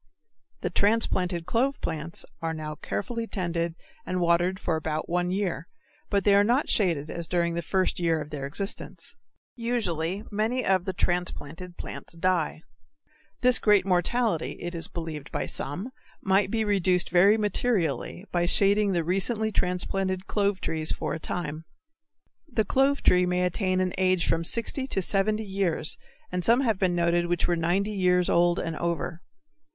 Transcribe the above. The transplanted clove plants are now carefully tended and watered for about one year, but they are not shaded as during the first year of their existence. Usually many of the transplanted plants die, which makes replanting necessary. This great mortality, it is believed by some, might be reduced very materially by shading the recently transplanted clove trees for a time. The clove tree may attain an age of from 60 to 70 years and some have been noted which were 90 years old and over.